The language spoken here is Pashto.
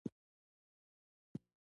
د جهادي مشرانو له شیطاني کارنامو سر وټکاوه.